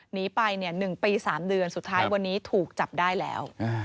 หนีไป๑ปี๓เดือนสุดท้ายวันนี้ถูกจับได้แล้ว